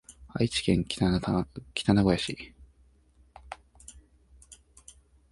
愛知県北名古屋市